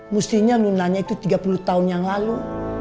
mestinya lo nanya itu tiga puluh tahun yang lalu